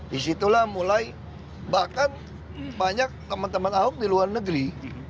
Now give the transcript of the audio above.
disitulah mulai bahkan banyak teman teman ahok di luar negeri